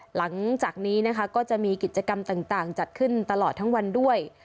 หลังจากนี้นะคะก็จะมีกิจกรรมต่างจัดขึ้นตลอดทั้งวันด้วย